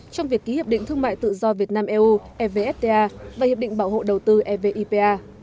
trong việc ký hiệp định thương mại tự do việt nam eu evfta và hiệp định bảo hộ đầu tư evipa